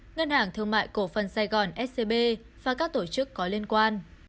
ngân hàng thương mại cổ phần sài gòn scb và các tổ chức có liên quan